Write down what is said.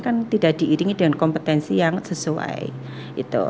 kan tidak diiringi dengan kompetensi yang sesuai gitu